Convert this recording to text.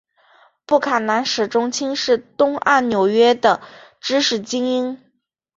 布坎南始终轻视东岸纽约的知识菁英。